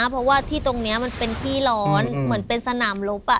เพราะว่าที่ตรงนี้มันเป็นที่ร้อนเหมือนเป็นสนามลบ